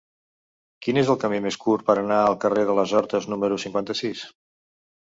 Quin és el camí més curt per anar al carrer de les Hortes número cinquanta-sis?